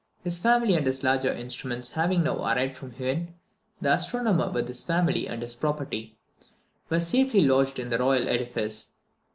His family and his larger instruments having now arrived from Huen, the astronomer with his family and his property were safely lodged in the royal edifice.